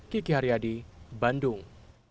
kiki haryadi bandung